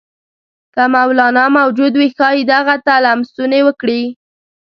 که مولنا موجود وي ښايي دغه ته لمسونې وکړي.